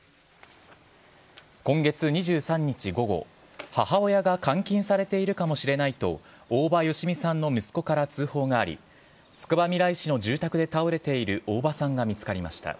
今月２３日午後、母親が監禁されているかもしれないと、大場好美さんの息子から通報があり、つくばみらい市の住宅で倒れている大場さんが見つかりました。